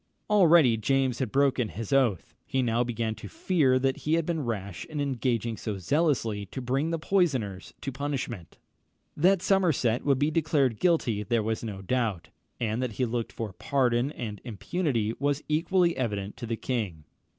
Already James had broken his oath. He now began to fear that he had been rash in engaging so zealously to bring the poisoners to punishment. That Somerset would be declared guilty there was no doubt, and that he looked for pardon and impunity was equally evident to the king.